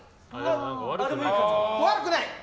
悪くない。